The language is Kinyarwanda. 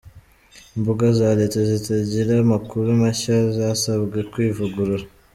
Imbuga za Leta zitagira amakuru mashya zasabwe kwivugurura